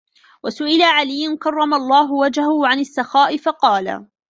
وَسُئِلَ عَلِيٌّ كَرَّمَ اللَّهُ وَجْهَهُ عَنْ السَّخَاءِ فَقَالَ